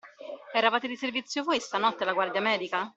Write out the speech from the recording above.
Eravate di servizio voi, stanotte, alla Guardia Medica?